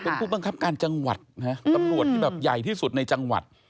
เป็นผู้บังคับการจังหวัดนะฮะตำรวจที่แบบใหญ่ที่สุดในจังหวัด